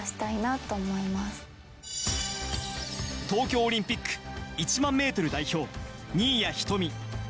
東京オリンピック